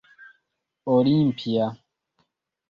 olimpia